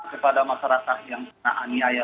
kepada masyarakat yang kena aniaya